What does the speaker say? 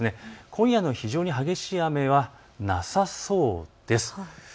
今夜のような非常に激しい雨はなさそうです。